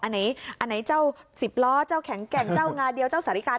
อันนี้อันไหนเจ้าสิบล้อเจ้าแข็งแกร่งเจ้างาเดียวเจ้าสาฬิกา